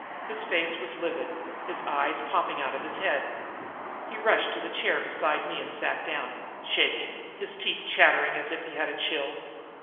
His face was livid, his eyes popping out of his head. He rushed to the chair beside me and sat down, shaking, his teeth chattering as if he had a chill.